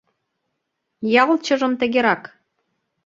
Ялчыжым тыгерак